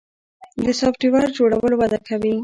د سافټویر جوړول وده کوي